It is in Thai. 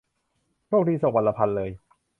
โชคดี' ส่งวันละพันเลย